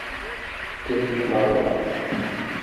Kkrent meṛṛa.